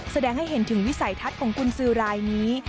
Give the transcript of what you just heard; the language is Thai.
แสดงให้เห็นถึงวิสัยทัศน์ของกุญสือรายนี้